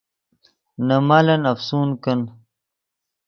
نے مالن افسون کن